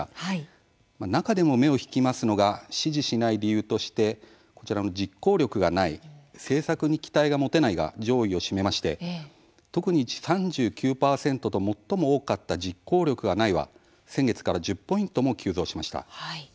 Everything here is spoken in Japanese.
中でも目を引きますのが支持しない理由としてこちらの「実行力がない」「政策に期待が持てない」が上位を占めまして特に３９％と最も多かった実行力がないは先月から１０ポイントも急増しました。